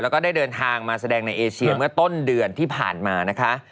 แล้วก็ได้เดินทางมาแสดงในเอเชียเมื่อต้นเดือนที่ผ่านมานะคะ